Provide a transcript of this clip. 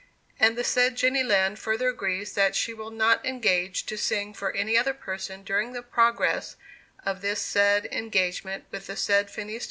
And the said Jenny Lind further agrees that she will not engage to sing for any other person during the progress of this said engagement with the said Phineas T.